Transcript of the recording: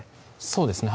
そうですね